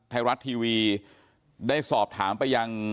ไทยรัฐทีวีได้สอบถามไปยัง